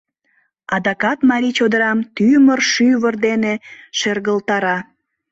Адакат марий чодырам тӱмыр-шӱвыр дене шергылтара.